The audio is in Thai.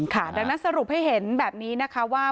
ดังนั้นสรุปให้เห็นแบบนี้นะคะว่า